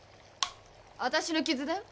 私の傷だよ